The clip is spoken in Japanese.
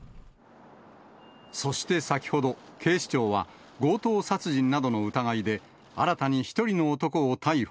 そして先ほど、警視庁は、強盗殺人などの疑いで、新たに１人の男を逮捕。